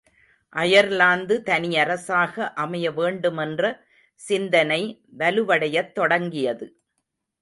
Ireland தனி அரசாக அமைய வேண்டுமென்ற சிந்தனை வலுவடையத் தொடங்கியது.